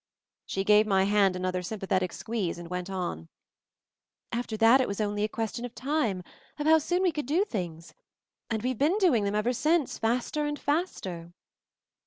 She gave my hand another sympathetic squeeze and went on. "After that it was only a question of time, of how soon we could do things. And we've been doing them ever since, faster and faster."